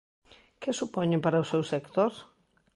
Que supoñen para o seu sector?